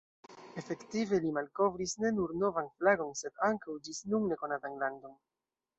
Efektive li malkovris ne nur novan flagon, sed ankaŭ ĝis nun nekonatan landon.